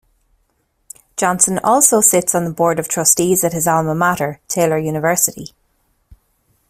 Johnson also sits on the Board of Trustees at his alma mater, Taylor University.